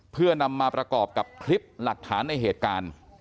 เพื่อนำมาประกอบกับคลิปหลักฐานในเหตุการณ์